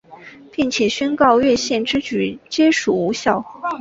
并且宣告越线之举皆属无效。